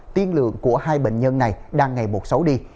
tiên lượng của hai bệnh nhân này đang ngày một xấu đi